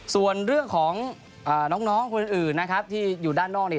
ส่วนเรื่องของน้องคนอื่นนะครับที่อยู่ด้านนอกเนี่ย